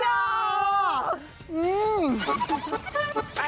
อื้อฮ่าฮ่าฮ่า